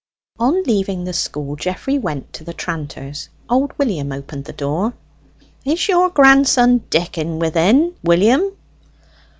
On leaving the school Geoffrey went to the tranter's. Old William opened the door. "Is your grandson Dick in 'ithin, William?"